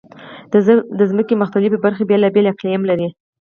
د ځمکې مختلفې برخې بېلابېل اقلیم لري.